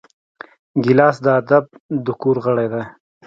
ګیلاس د ادب د کور غړی دی.